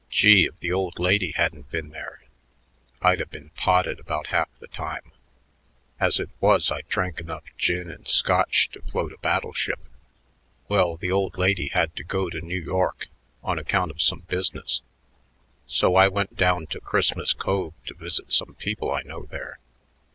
Gee, if the old lady hadn't been there, I'd a been potted about half the time. As it was, I drank enough gin and Scotch to float a battle ship. Well, the old lady had to go to New York on account of some business; so I went down to Christmas Cove to visit some people I know there.